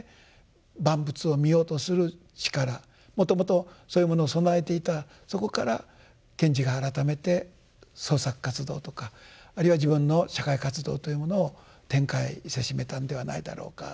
もともとそういうものを備えていたそこから賢治が改めて創作活動とかあるいは自分の社会活動というものを展開せしめたんではないだろうか。